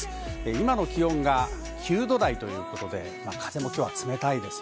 今の気温が９度台ということで、風も冷たいです。